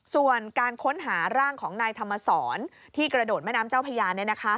ส่วนการค้นหาร่างของนายธรรมสรที่กระโดดแม่น้ำเจ้าพญา